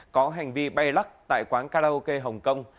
có hành vi bay lắc tại quán karaoke hồng kông